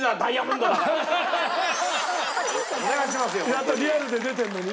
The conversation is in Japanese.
やっぱリアルで出てるのに？